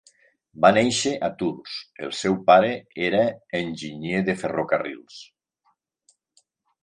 Va néixer a Tours, el seu pare era enginyer de ferrocarrils.